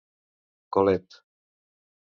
Colette